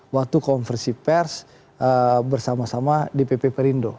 waktu konversi pers bersama sama di pp perindo